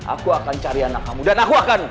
aku akan cari anak kamu dan aku akan